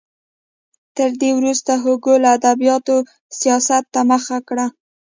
تر دې وروسته هوګو له ادبیاتو سیاست ته مخه کړه.